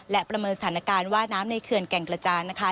และประเมินสถานการณ์ว่าน้ำในเขื่อนแก่งกระจานนะคะ